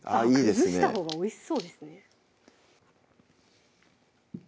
崩したほうがおいしそうですね